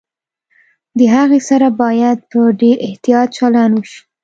د هغې سره باید په ډېر احتياط چلند وشي